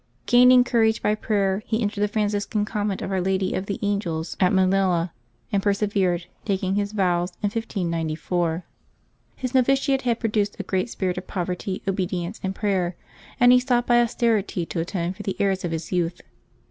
Gaining courage by prayer, he entered the Francis can Convent of Our Lady of the Angels at Manila, and persevered, taking his vows in 1594. His novitiate had produced a great spirit of poverty, obedience, and prayer, and he sought by austerity to atone for the errors of his youth.